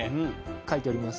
書いてあります